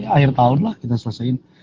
akhir tahun lah kita selesaikan